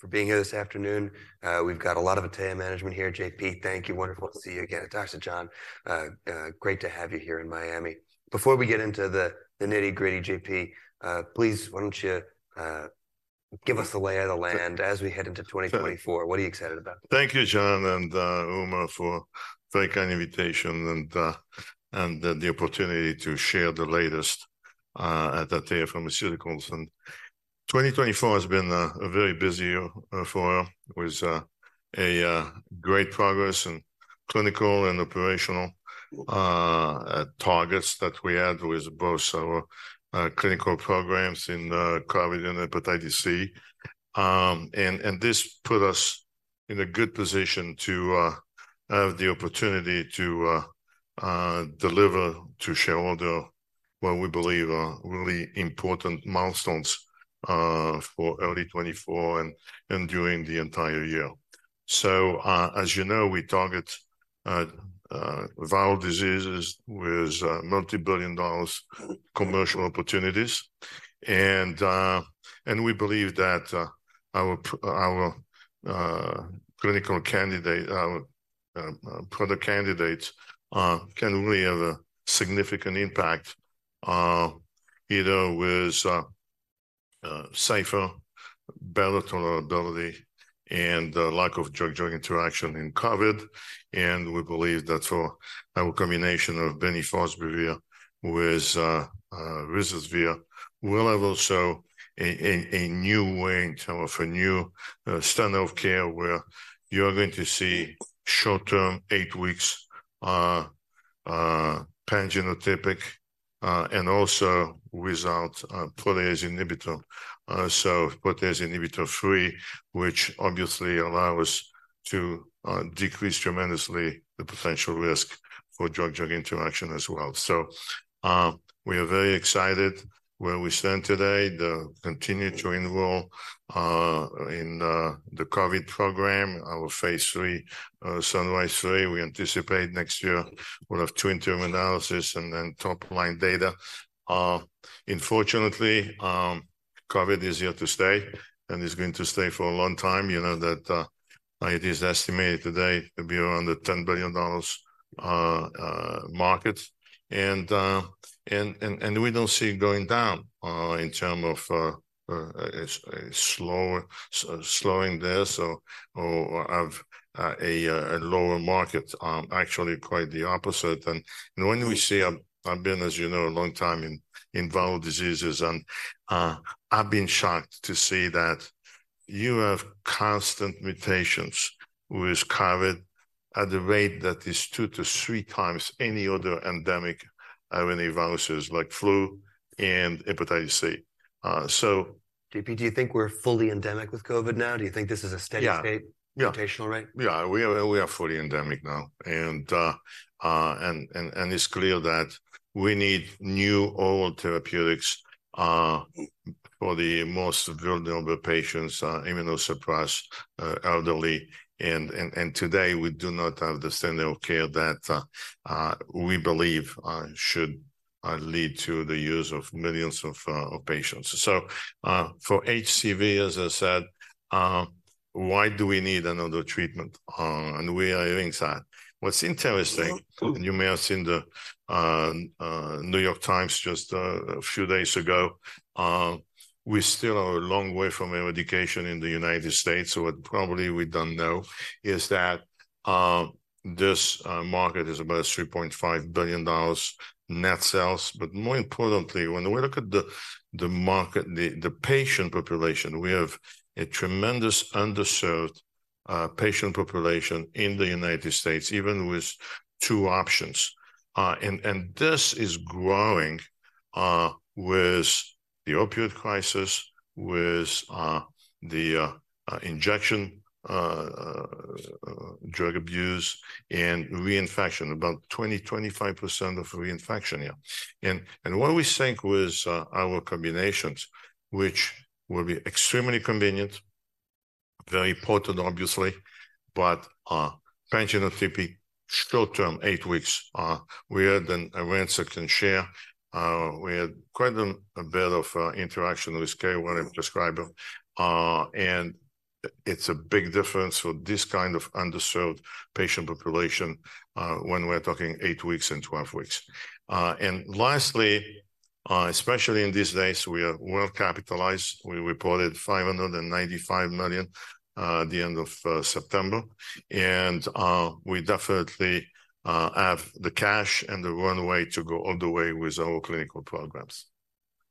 For being here this afternoon. We've got a lot of Atea management here. JP, thank you. Wonderful to see you again. Dr. John, great to have you here in Miami. Before we get into the nitty-gritty, JP, please, why don't you give us the lay of the land as we head into 2024? Sure. What are you excited about? Thank you, John and Umar, for very kind invitation, and the opportunity to share the latest at Atea Pharmaceuticals. 2024 has been a very busy year for us, with great progress in clinical and operational targets that we had with both our clinical programs in COVID and hepatitis C. This put us in a good position to have the opportunity to deliver to shareholder what we believe are really important milestones for early 2024 and during the entire year. As you know, we target viral diseases with multibillion dollars commercial opportunities. We believe that our clinical candidate, our product candidates can really have a significant impact, either with safer, better tolerability, and the lack of drug-drug interaction in COVID. We believe that for our combination of bemnifosbuvir with ruzasvir, we'll have also a new way, in terms of a new standard of care, where you're going to see short-term, eight weeks pangenotypic, and also without protease inhibitor. So protease inhibitor-free, which obviously allow us to decrease tremendously the potential risk for drug-drug interaction as well. So, we are very excited where we stand today, we continue to enroll in the COVID program, our phase III SUNRISE-3. We anticipate next year, we'll have two interim analysis, and then top-line data. Unfortunately, COVID is here to stay, and it's going to stay for a long time. You know that, it is estimated today to be around the $10 billion market. And we don't see it going down in terms of a slower slowing down, or have a lower market. Actually, quite the opposite. And when we see—I've been, as you know, a long time in viral diseases, and I've been shocked to see that you have constant mutations with COVID at the rate that is 2-3x any other endemic RNA viruses, like flu and hepatitis C. So- JP, do you think we're fully endemic with COVID now? Do you think this is a steady state- Yeah. -mutational rate? Yeah, we are fully endemic now, and it's clear that we need new oral therapeutics for the most vulnerable patients, immunosuppressed, elderly. Today, we do not have the standard of care that we believe should lead to the use of millions of patients. So, for HCV, as I said, why do we need another treatment? And we are inside. What's interesting, and you may have seen the New York Times just a few days ago, we still are a long way from eradication in the United States. So what probably we don't know is that this market is about $3.5 billion net sales. But more importantly, when we look at the market, the patient population, we have a tremendous underserved patient population in the United States, even with two options. And this is growing with the opiate crisis, with the injection drug abuse, and reinfection, about 25% of reinfection here. And what we think with our combinations, which will be extremely convenient, very potent, obviously, but pangenotypic, short-term, 8 weeks, we are... Then Arantxa can share, we had quite a bit of interaction with care when I'm prescribed them. And it's a big difference for this kind of underserved patient population, when we're talking eight weeks and 12 weeks. And lastly, especially in these days, we are well-capitalized. We reported $595 million at the end of September, and we definitely have the cash and the runway to go all the way with our clinical programs.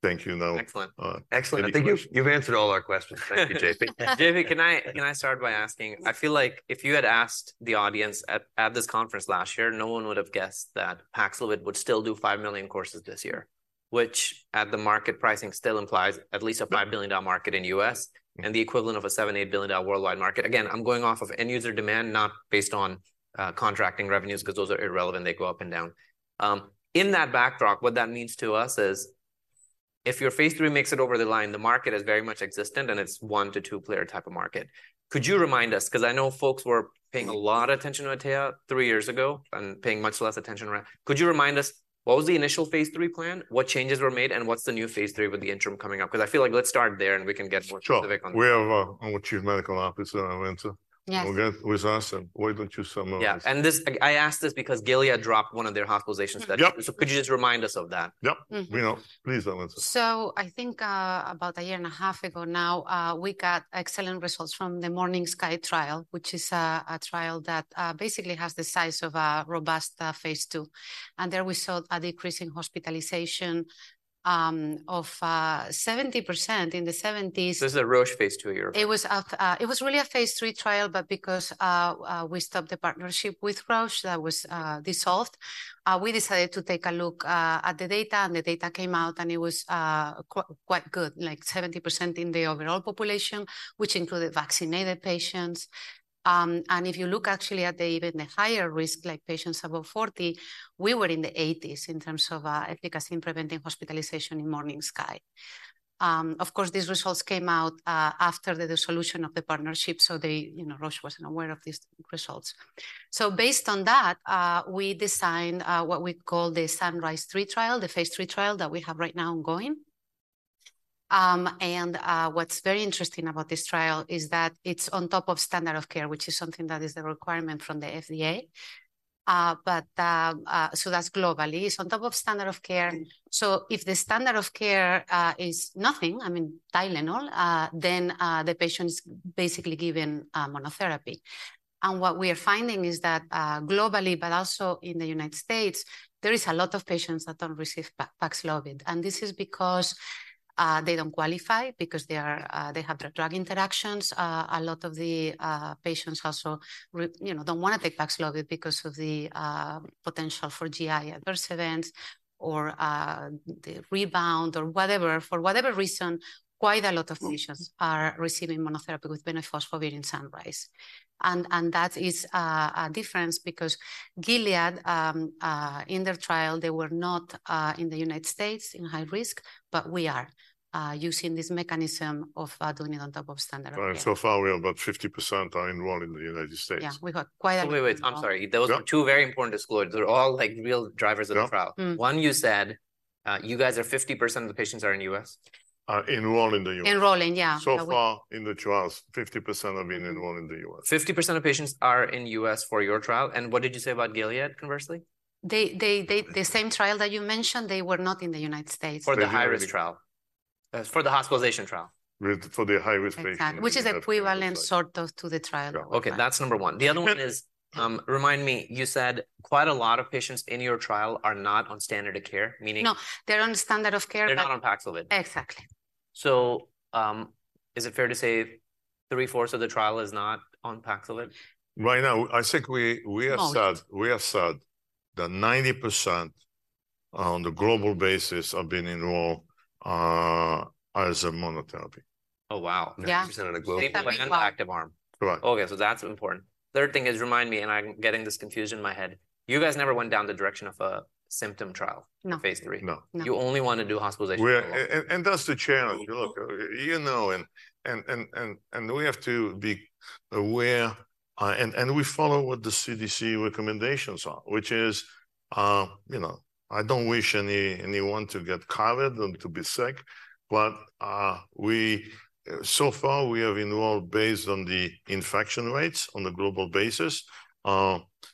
Thank you. Now- Excellent. Uh- Excellent. I think you've answered all our questions. Thank you, JP. JP, can I start by asking, I feel like if you had asked the audience at this conference last year, no one would have guessed that Paxlovid would still do 5 million courses this year, which, at the market pricing, still implies at least a $5 billion market in US, and the equivalent of a $7-$8 billion worldwide market. Again, I'm going off of end-user demand, not based on contracting revenues, because those are irrelevant. They go up and down. In that backdrop, what that means to us is- If your phase III makes it over the line, the market is very much existent, and it's one- to two-player type of market. Could you remind us? 'Cause I know folks were paying a lot of attention to Atea three years ago and paying much less attention, right? Could you remind us, what was the initial phase III plan, what changes were made, and what's the new phase III with the interim coming up? 'Cause I feel like let's start there, and we can get more specific on- Sure. We have, our Chief Medical Officer, Arantxa- Yes. We've got with us, and why don't you summarize? Yeah, and this, I ask this because Gilead dropped one of their hospitalizations studies. Yep. Could you just remind us of that? Yep. Mm-hmm. We know. Please, Arantxa. So I think, about a year and a half ago now, we got excellent results from the MORNING SKY trial, which is a trial that basically has the size of a robust phase II, and there we saw a decrease in hospitalization of 70%, in the seventies- This is a Roche phase II you're referring? It was really a phase III trial, but because we stopped the partnership with Roche, that was dissolved, we decided to take a look at the data, and the data came out, and it was quite good, like 70% in the overall population, which included vaccinated patients. And if you look actually at even the higher risk, like patients above 40, we were in the 80s in terms of efficacy in preventing hospitalization in MORNING SKY. Of course, these results came out after the dissolution of the partnership, so they. You know, Roche wasn't aware of these results. So based on that, we designed what we call the SUNRISE-3 trial, the phase III trial that we have right now ongoing. What's very interesting about this trial is that it's on top of standard of care, which is something that is a requirement from the FDA. So that's globally. It's on top of standard of care, so if the standard of care is nothing, I mean Tylenol, then the patient's basically given monotherapy. And what we are finding is that globally, but also in the United States, there is a lot of patients that don't receive Paxlovid, and this is because they don't qualify because they have drug interactions. A lot of the patients also, you know, don't want to take Paxlovid because of the potential for GI adverse events or the rebound or whatever. For whatever reason, quite a lot of patients are receiving monotherapy with bemnifosbuvir in SUNRISE. And that is a difference because Gilead, in their trial, they were not in the United States in high risk, but we are using this mechanism of doing it on top of standard of care. So far, we have about 50% are enrolled in the United States. Yeah, we got quite a- Wait, wait, I'm sorry. Yeah. There was two very important disclosures. They're all, like, real drivers of the trial. Yeah. Mm. One, you said, you guys are 50% of the patients are in the US? Are enrolled in the U.S. Enrolling, yeah. So far in the trials, 50% have been enrolled in the US. 50% of patients are in the U.S. for your trial, and what did you say about Gilead, conversely? The same trial that you mentioned, they were not in the United States. They were- For the high-risk trial. For the hospitalization trial. With, for the high-risk patients. Exactly, which is equivalent sort of to the trial. Yeah. Okay, that's number one. Okay. The other one is, remind me, you said quite a lot of patients in your trial are not on standard of care, meaning- No, they're on standard of care, but- They're not on Paxlovid. Exactly. Is it fair to say three-fourths of the trial is not on Paxlovid? Right now, I think we have said- Most... We have said that 90% on the global basis have been enrolled as a monotherapy. Oh, wow! Yeah. 90% of the global-... 50%. An active arm. Correct. Okay, so that's important. Third thing is, remind me, and I'm getting this confused in my head. You guys never went down the direction of a symptom trial- No... phase III. No. No. You only want to do hospitalization. Well, that's the challenge. Look, you know, we have to be aware, and we follow what the CDC recommendations are, which is, you know, I don't wish anyone to get COVID and to be sick, but, so far, we have enrolled based on the infection rates on a global basis.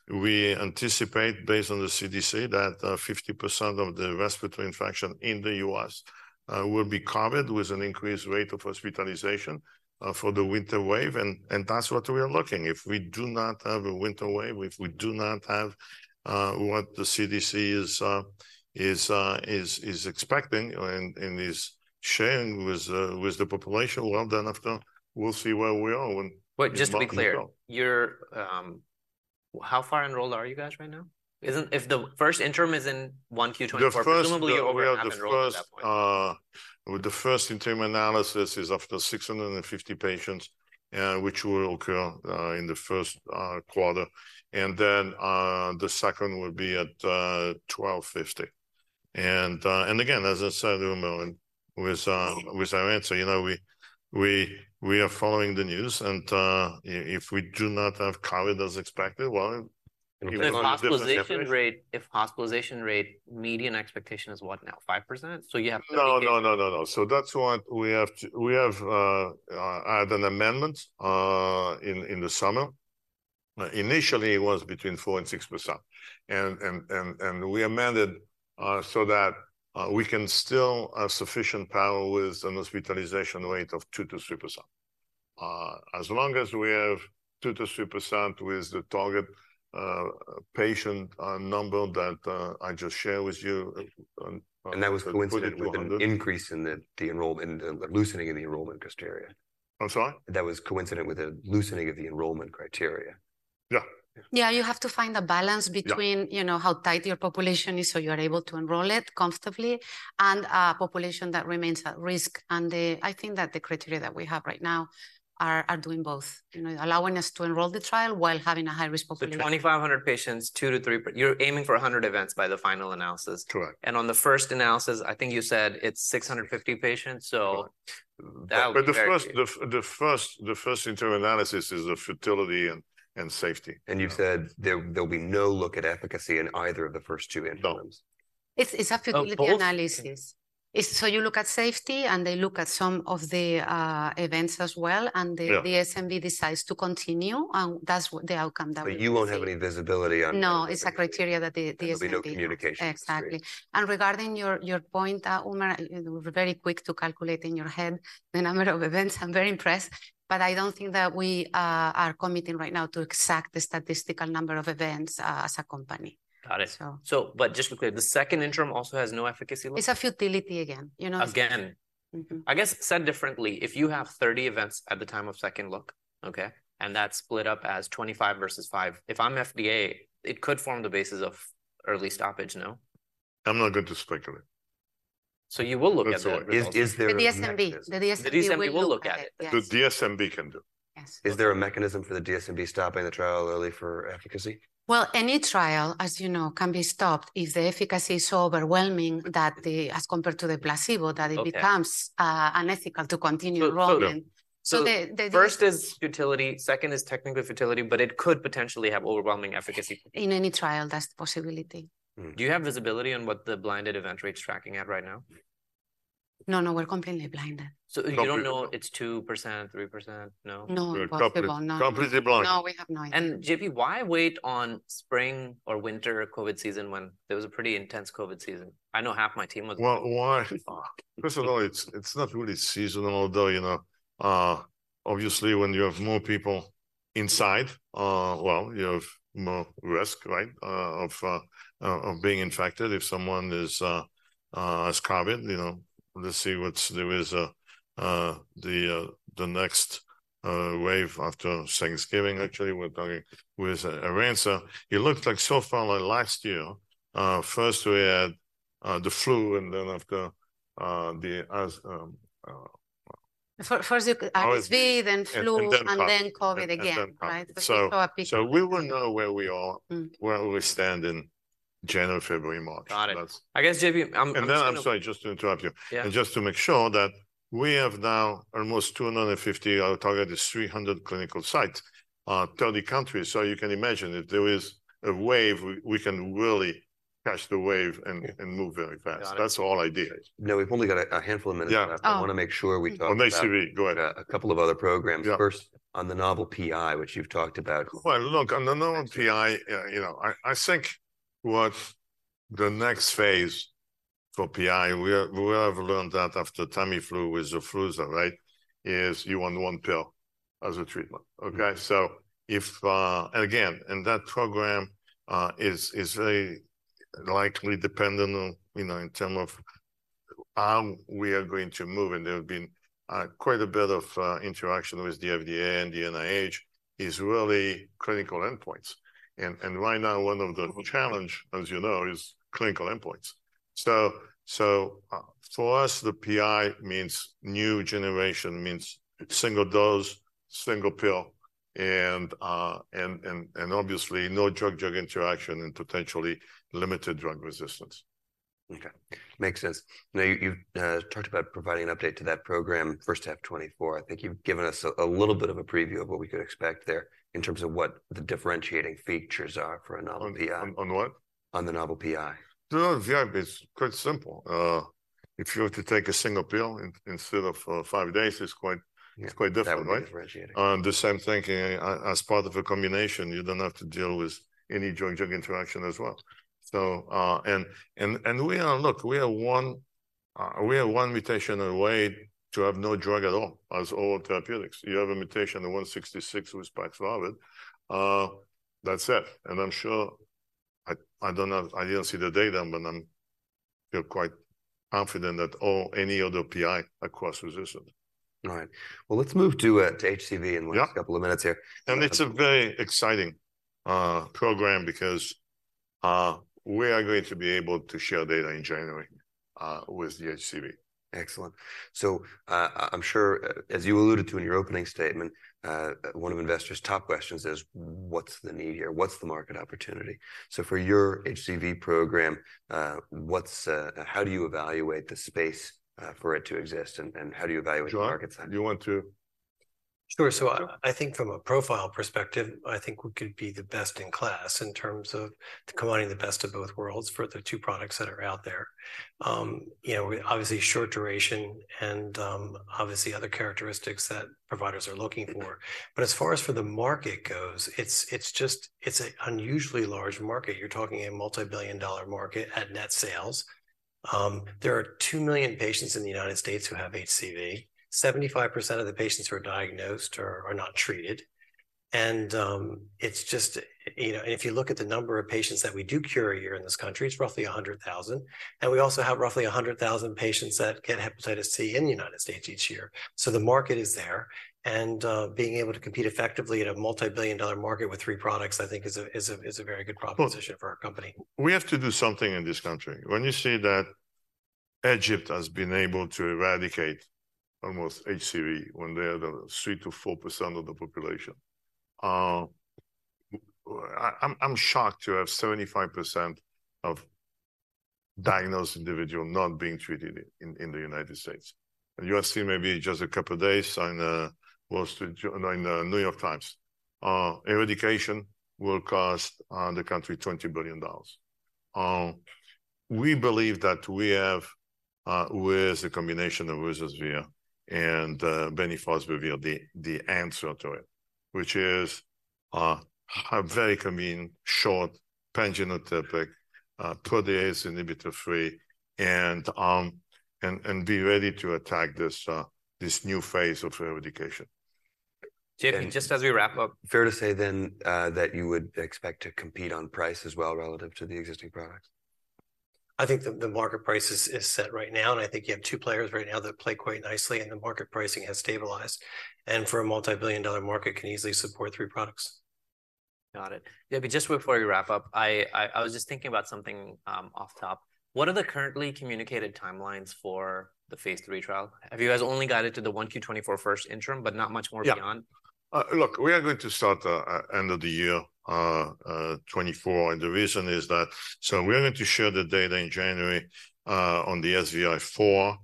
We anticipate, based on the CDC, that 50% of the respiratory infection in the U.S. will be COVID with an increased rate of hospitalization for the winter wave, and that's what we are looking. If we do not have a winter wave, if we do not have what the CDC is expecting and is sharing with the population, well, then after, we'll see where we are when- Just to be clear, you're... How far enrolled are you guys right now? Isn't... if the first interim is in 1Q24... The first- Presumably you're over half enrolled at that point. The first interim analysis is after 650 patients, which will occur in the first quarter, and then the second will be at 1,250. And again, as I said a moment with Arantxa, you know, we are following the news, and if we do not have COVID as expected, well, it will be a different situation. If hospitalization rate, if hospitalization rate median expectation is what now? 5%? So you have- No, no, no, no, no. So that's what we have to—we have had an amendment in the summer. Initially, it was between 4% and 6%, and we amended so that we can still have sufficient power with a hospitalization rate of 2%-3%. As long as we have 2%-3% with the target patient number that I just shared with you. And that was coincident with an increase in the loosening of the enrollment criteria. I'm sorry? That was coincident with the loosening of the enrollment criteria. Yeah. Yeah. Yeah, you have to find a balance between- Yeah... you know, how tight your population is, so you are able to enroll it comfortably, and a population that remains at risk. And the, I think that the criteria that we have right now are doing both, you know, allowing us to enroll the trial while having a high-risk population. 2,500 patients, 2-3 you're aiming for 100 events by the final analysis. Correct. On the first analysis, I think you said it's 650 patients, so- But the first interim analysis is the futility and safety. You've said there, there'll be no look at efficacy in either of the first two intervals? None. It's a futility analysis. Of both? It's so you look at safety, and they look at some of the, events as well, and the- Yeah... the DSMB decides to continue, and that's what the outcome that we see. But you won't have any visibility on- No, it's a criteria that the DSMB- There'll be no communication. Exactly. And regarding your point, Umar, you were very quick to calculate in your head the number of events. I'm very impressed, but I don't think that we are committing right now to exactly the statistical number of events as a company. Got it. So- So but just to be clear, the second interim also has no efficacy look? It's a futility again, you know? Again. Mm-hmm. I guess, said differently, if you have 30 events at the time of second look, okay, and that's split up as 25 versus 5, if I'm FDA, it could form the basis of early stoppage, no? I'm not going to speculate. So you will look at that? That's all. Is there a- The DSMB. The DSMB will look at it. Yes. The DSMB can do it. Yes. Is there a mechanism for the DSMB stopping the trial early for efficacy? Well, any trial, as you know, can be stopped if the efficacy is so overwhelming that the... as compared to the placebo, that- Okay... it becomes unethical to continue enrolling. So, yeah. So the First is futility, second is technically futility, but it could potentially have overwhelming efficacy. In any trial, that's the possibility. Mm. Do you have visibility on what the blinded event rate's tracking at right now? No, no, we're completely blinded. So you don't know- No, we don't... it's 2%, 3%, no? No, impossible. Completely, completely blind. No, we have no idea. JP, why wait on spring or winter COVID season, when there was a pretty intense COVID season? I know half my team was- Well, why? First of all, it's not really seasonal, although, you know, obviously, when you have more people inside, well, you have more risk, right, of being infected if someone has COVID. You know, let's see what the risk is, the next wave after Thanksgiving. Actually, we're talking with Arantxa. So it looked like so far, like last year, first we had the flu, and then after the RSV. First, RSV, then flu- And then COVID.... and then COVID again. And then COVID. Right. So- So a peak- So we will know where we are. Mm... where we stand in January, February, March. Got it. That's- I guess, JP, I'm And then I'm sorry, just to interrupt you. Yeah. Just to make sure that we have now almost 250, our target is 300 clinical sites, 30 countries. So you can imagine if there is a wave, we can really catch the wave and move very fast. Got it. That's the whole idea. Now, we've only got a handful of minutes left. Yeah. Oh. I wanna make sure we talk about- Well, nice to be. Go ahead.... a couple of other programs. Yeah. First, on the novel PI, which you've talked about. Well, look, on the novel PI, you know, I think what the next phase for PI, we have learned that after Tamiflu with Xofluza, right, is you want one pill as a treatment. Mm-hmm. Okay? So if, and again, and that program is very likely dependent on, you know, in term of how we are going to move, and there have been quite a bit of interaction with the FDA and the NIH, is really clinical endpoints. And right now, one of the challenge, as you know, is clinical endpoints. So for us, the PI means new generation, means single dose, single pill, and obviously, no drug-drug interaction and potentially limited drug resistance. Okay. Makes sense. Now, you've talked about providing an update to that program, first half 2024. I think you've given us a little bit of a preview of what we could expect there in terms of what the differentiating features are for a novel PI. On the what? On the novel PI. The novel PI is quite simple. If you were to take a single pill instead of five days, it's quite- Yeah... it's quite different, right? That would be differentiating. The same thinking as part of a combination, you don't have to deal with any drug-drug interaction as well. So, we are... Look, we are one, we are one mutation away to have no drug at all, as all therapeutics. You have a mutation, the 166 with Paxlovid, that's it. And I'm sure, I don't know, I didn't see the data, but I feel quite confident that all, any other PI are cross-resistant. All right. Well, let's move to HCV- Yeah... in the last couple of minutes here. It's a very exciting program because we are going to be able to share data in January with the HCV. Excellent. So, I'm sure, as you alluded to in your opening statement, one of investors' top questions is: What's the need here? What's the market opportunity? So for your HCV program, how do you evaluate the space for it to exist, and how do you evaluate the market size? John, do you want to- Sure. So I think from a profile perspective, I think we could be the best in class in terms of combining the best of both worlds for the two products that are out there. You know, obviously, short duration and obviously other characteristics that providers are looking for. But as far as for the market goes, it's just a unusually large market. You're talking a $ multi-billion market at net sales. There are 2 million patients in the United States who have HCV. 75% of the patients who are diagnosed are not treated, and it's just... You know, and if you look at the number of patients that we do cure here in this country, it's roughly 100,000, and we also have roughly 100,000 patients that get hepatitis C in the United States each year. The market is there, and being able to compete effectively in a multi-billion-dollar market with three products, I think is a very good proposition for our company. We have to do something in this country. When you see that Egypt has been able to eradicate almost HCV, when they're the 3%-4% of the population, I'm shocked to have 75% of diagnosed individual not being treated in the United States. And you have seen maybe just a couple of days in the Wall Street Journal in the New York Times, eradication will cost the country $20 billion. We believe that we have with the combination of ruzasvir and bemnifosbuvir, the answer to it, which is a very convenient, short, pangenotypic, protease inhibitor free, and be ready to attack this new phase of eradication. JP, and just as we wrap up- Fair to say then, that you would expect to compete on price as well, relative to the existing products? I think the market price is set right now, and I think you have two players right now that play quite nicely, and the market pricing has stabilized, and for a multi-billion-dollar market, can easily support three products. Got it. Yeah, but just before we wrap up, I was just thinking about something off top. What are the currently communicated timelines for the phase III trial? Have you guys only guided to the 1 Q-2024 first interim, but not much more beyond? Yeah. Look, we are going to start end of the year 2024, and the reason is that, so we are going to share the data in January on the SVR4.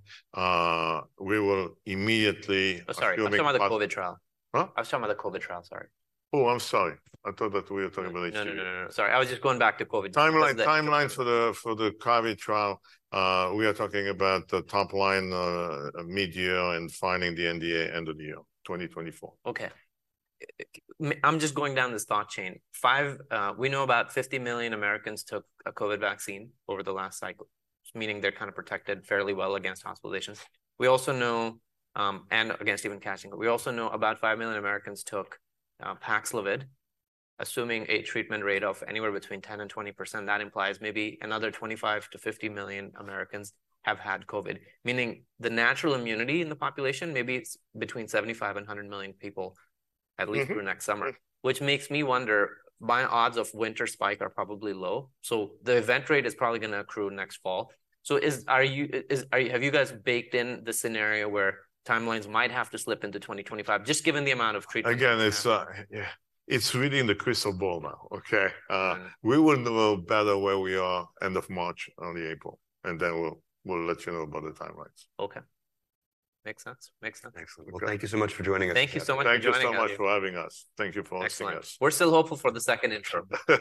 We will immediately- Oh, sorry, I was talking about the COVID trial. Huh? I was talking about the COVID trial, sorry. Oh, I'm sorry. I thought that we were talking about HCV. No, no, no, no. Sorry, I was just going back to COVID. Timeline, timeline for the COVID trial, we are talking about the top line mid-year and filing the NDA end of the year, 2024. Okay. I'm just going down this thought chain. Five, we know about 50 million Americans took a COVID vaccine over the last cycle, meaning they're kind of protected fairly well against hospitalizations. We also know... and against even catching it. We also know about 5 million Americans took, Paxlovid, assuming a treatment rate of anywhere between 10% and 20%. That implies maybe another 25-50 million Americans have had COVID, meaning the natural immunity in the population, maybe it's between 75 and 100 million people at least- Mm-hmm... through next summer. Which makes me wonder, my odds of winter spike are probably low, so the event rate is probably gonna accrue next fall. So, have you guys baked in the scenario where timelines might have to slip into 2025, just given the amount of treatment? Again, it's, yeah, it's reading the crystal ball now, okay? Mm. We will know better where we are end of March, early April, and then we'll let you know about the timelines. Okay. Makes sense. Makes sense. Excellent. Well, thank you so much for joining us. Thank you so much for joining us. Thank you so much for having us. Thank you for hosting us. Excellent. We're still hopeful for the second interim.